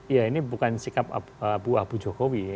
ya ini bukan sikap abu abu jokowi